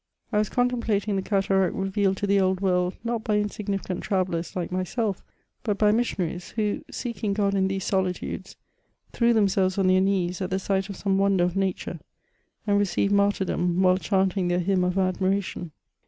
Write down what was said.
I was contemplating the cataract revealed to the Old World, not by insignificant travellers like myself but by missionaries, who, seeking God in these solitudes, threw them selves on their knees at the sight of some wonder of nature, and received martyrdom while chaunting their hymn of admiration.